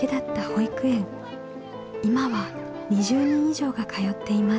今は２０人以上が通っています。